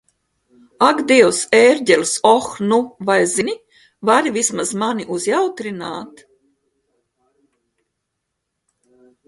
Ak Dievs, ērģeles Oh nu vai zini, vari vismaz mani uzjautrināt?